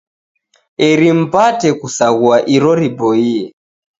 Eri mpate kusaghua iro riboie